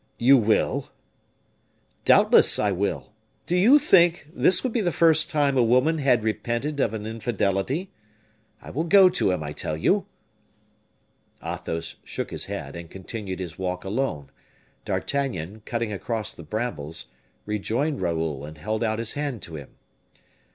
"You will?" "Doubtless, I will. Do you think this would be the first time a woman had repented of an infidelity? I will go to him, I tell you." Athos shook his head, and continued his walk alone, D'Artagnan, cutting across the brambles, rejoined Raoul and held out his hand to him.